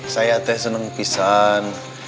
saya teeh seneng pisah